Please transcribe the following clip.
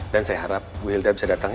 dan saya harap bu hilda bisa datang ya